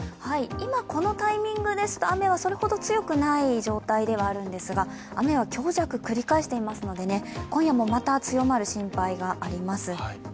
今このタイミングですと雨はそれほど強くない状態ではあるんですが、雨は強弱繰り返していますので今夜もまた強まる心配があります。